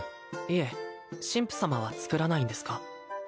いえ神父様は作らないんですか？